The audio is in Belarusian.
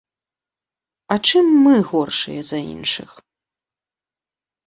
А чым мы горшыя за іншых?